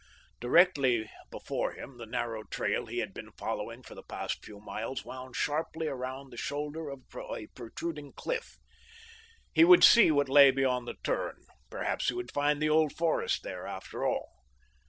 Directly before him the narrow trail he had been following for the past few miles wound sharply about the shoulder of a protruding cliff. He would see what lay beyond the turn—perhaps he would find the Old Forest there, after all.